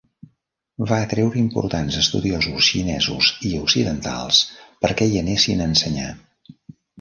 Va atreure importants estudiosos xinesos i occidentals perquè hi anessin a ensenyar.